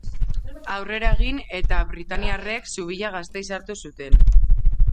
Aurrera egin eta britainiarrek Subilla Gasteiz hartu zuten.